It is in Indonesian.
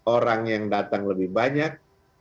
orang yang datang lebih banyak